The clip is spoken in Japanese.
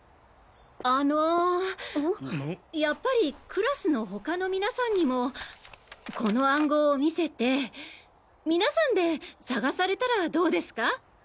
あのやっぱりクラスの他の皆さんにもこの暗号を見せて皆さんで探されたらどうですか？